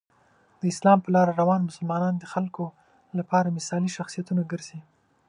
د اسلام په لاره روان مسلمانان د خلکو لپاره مثالي شخصیتونه ګرځي.